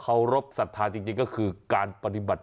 เขารบศรัทธาจริงก็คือการปฏิบัติ